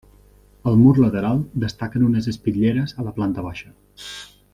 Al mur lateral destaquen unes espitlleres a la planta baixa.